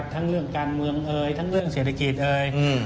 เรื่องการเมืองเอ่ยทั้งเรื่องเศรษฐกิจเอ่ย